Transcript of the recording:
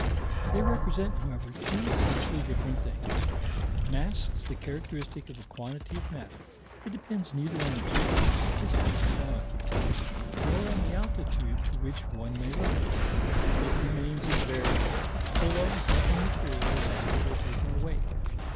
They represent, however, two essentially different things. Mass is the characteristic of a quantity of matter; it depends neither on the geographical position one occupies nor on the altitude to which one may rise; it remains invariable so long as nothing material is added or taken away.